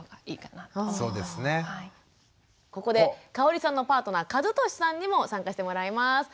ここでかおりさんのパートナー和俊さんにも参加してもらいます。